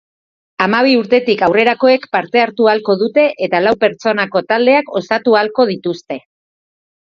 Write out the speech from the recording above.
Hamabi urtetik aurrerakoek parte hartu ahalko dute eta lau pertsonako taldeak osatu ahalko dituzte.